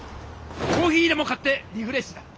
コーヒーでも買ってリフレッシュだ！